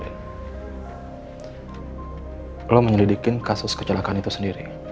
anda menyelidiki kasus kecelakaan itu sendiri